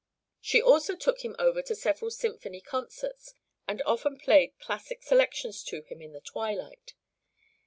She also took him over to several symphony concerts, and often played classic selections to him in the twilight.